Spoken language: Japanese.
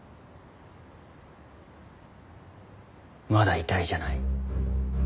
まだ遺体じゃない。